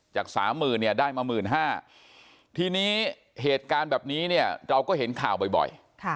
จาก๓๐๐๐เนี่ยได้มา๑๕๐๐ทีนี้เหตุการณ์แบบนี้เนี่ยเราก็เห็นข่าวบ่อย